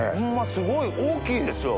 すごい大きいですよ。